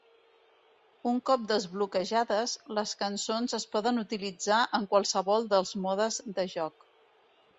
Un cop desbloquejades, les cançons es poden utilitzar en qualsevol dels modes de joc.